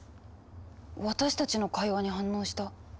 私たちの会話に反応した。